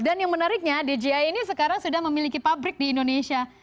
dan yang menariknya dji ini sekarang sudah memiliki pabrik di indonesia